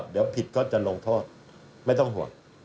เดี๋ยวผิดก็จะลงโทษไม่ต้องห่วง